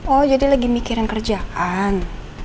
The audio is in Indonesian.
oh jadi lagi mikirin kerjaan